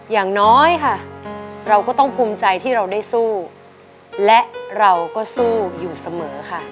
อย่างน้อยค่ะเราก็ต้องภูมิใจที่เราได้สู้และเราก็สู้อยู่เสมอค่ะ